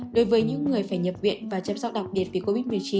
đối với những người phải nhập viện và chăm sóc đặc biệt vì covid một mươi chín